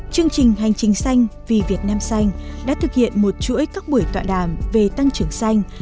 chương trình hành trình xanh vì việt nam xanh đã thực hiện một chuỗi các buổi tọa đàm về tăng trưởng xanh